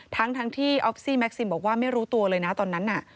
ทั้งที่ออฟซี่แก๊ซิมบอกว่าไม่รู้ตัวเลยนะตอนนั้นน่ะ